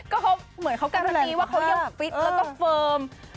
กราบแบบนี้ว่าเขายังกระวับมาฟิทแล้วเฟิร์ม